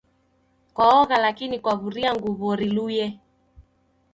Kwaogha lakini kwaw'uria nguw'o riluye.